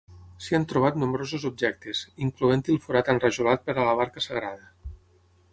S'hi han trobat nombrosos objectes, incloent-hi el forat enrajolat per a la barca sagrada.